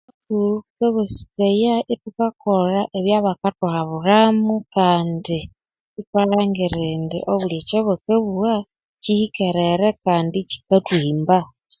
Thuuka basikaya ithu kakolha ebya bakathuhabulhamu kandi ithwa lhangiri ndi obuli Kya bakabugha kyihikerere kandi kyikathuhimba